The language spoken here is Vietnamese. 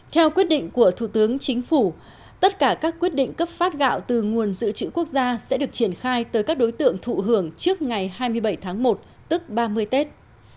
theo quyết định của thủ tướng chính phủ tất cả các quyết định cấp phát gạo từ nguồn dự trữ quốc gia sẽ được triển khai tới các đối tượng thụ hưởng trước ngày hai mươi bảy tháng một tức ba mươi tết